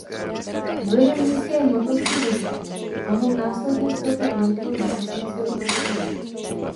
Vlivem nízké hmotnosti vodíku mohl následně snadno uniknout do kosmického prostoru.